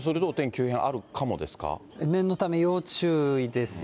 急変ある念のため要注意ですね。